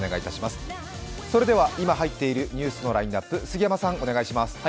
それでは今入っているニュースのラインナップお願いします。